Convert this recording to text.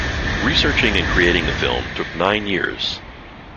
Researching and creating the film took nine years.